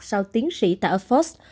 sau tiến sĩ tại oxford